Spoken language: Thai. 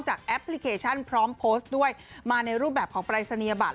แอปพลิเคชันพร้อมโพสต์ด้วยมาในรูปแบบของปรายศนียบัตร